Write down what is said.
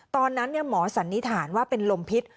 ตอนนั้นหมอสันนิษฐานว่าเป็นลมพิษ